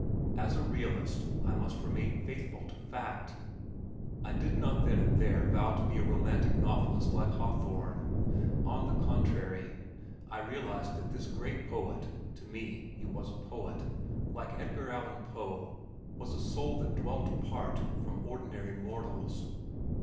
As a realist I must remain faithful to fact. I did not then and there vow to be a romantic novelist like Hawthorne. On the contrary, I realized that this great poet (to me he was a poet) like Edgar Allan Poe, was a soul that dwelt apart from ordinary mortals.